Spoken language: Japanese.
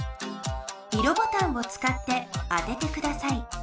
色ボタンをつかって当ててください。